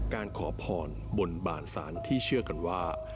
ขอพรบนบานศาลที่เชื่อกันว่า